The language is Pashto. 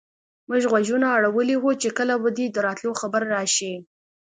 موږ غوږونه اړولي وو چې کله به دې د راتلو خبر راشي.